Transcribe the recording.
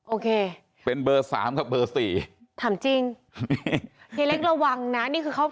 โอเคเป็นเบอร์สามกับเบอร์สี่ถามจริงเฮียเล็กระวังนะนี่คือเขา